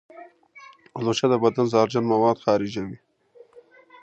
الوچه د بدن زهرجن مواد خارجوي.